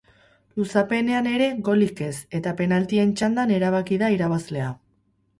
Luzapenean ere golik ez eta penaltien txandan erabaki da irabazlea.